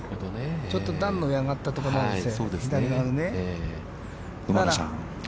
ちょっと段の上に上がったところなんですよ。